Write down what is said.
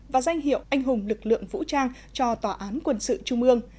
và danh hiệu anh hùng lực lượng vũ trang cho tòa án quân sự trung ương